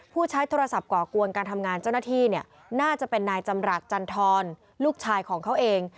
ใช้โทรศัพท์ก่อกวนการทำงานเจ้าหน้าที่เนี่ยน่าจะเป็นนายจำรัฐจันทรลูกชายของเขาเอง